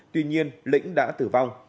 tuy nhiên lĩnh đã tử vong